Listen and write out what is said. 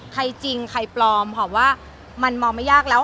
จริงใครปลอมหอมว่ามันมองไม่ยากแล้ว